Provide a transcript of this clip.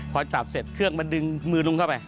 พอจับเสร็จเครื่องมันดึงมือลุงเข้าไป